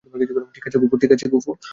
ঠিক আছে, গুঁফো।